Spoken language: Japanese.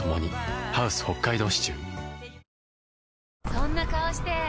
そんな顔して！